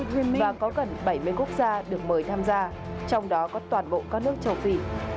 và có gần bảy mươi quốc gia được mời tham gia trong đó có toàn bộ các nước châu phi